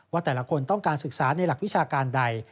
ว่าแต่ละคนต้องการศึกษาในหลักวิชาการใด